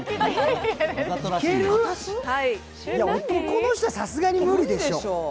男の人はさすがに無理でしょう。